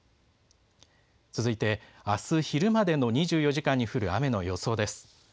続いて、あす昼までの２４時間に降る雨の予想です。